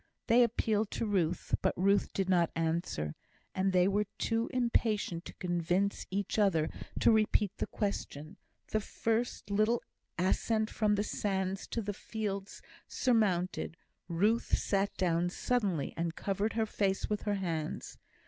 They appealed to Ruth, but Ruth did not answer, and they were too impatient to convince each other to repeat the question. The first little ascent from the sands to the field surmounted, Ruth sat down suddenly and covered her face with her hands.